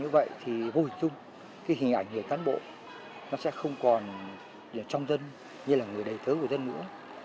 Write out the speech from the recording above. vậy thì vô hình chung cái hình ảnh người cán bộ nó sẽ không còn trong dân như là người đầy thớ của dân nữa